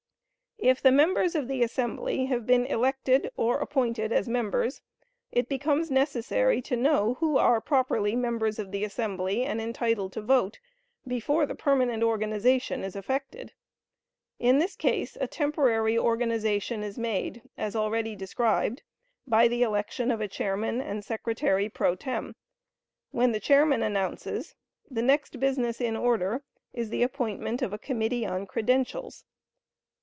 If the members of the assembly have been elected or appointed as members, it becomes necessary to know who are properly members of the assembly and entitled to vote, before the permanent organization is effected. In this case a temporary organization is made, as already described, by the election of a chairman and secretary "pro tem.," when the chairman announces, "The next business in order is the appointment of a committee on credentials."